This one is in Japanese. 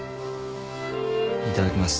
いただきます。